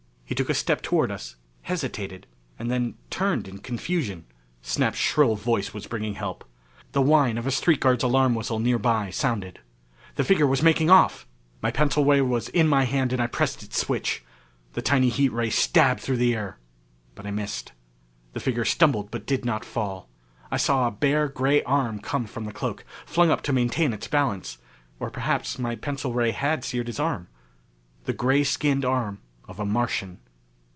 He took a step toward us, hesitated, and then turned in confusion. Snap's shrill voice was bringing help. The whine of a street guard's alarm whistle nearby sounded. The figure was making off! My pencil ray was in my hand and I pressed its switch. The tiny heat ray stabbed through the air, but I missed. The figure stumbled but did not fall. I saw a bare gray arm come from the cloak, flung up to maintain its balance. Or perhaps my pencil ray had seared his arm. The gray skinned arm of a Martian.